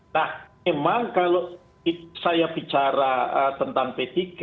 nah memang kalau saya bicara tentang p tiga